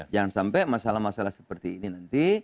jangan sampai masalah masalah seperti ini nanti